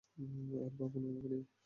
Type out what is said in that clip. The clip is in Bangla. আর ভাবো না আমাকে নিয়ে।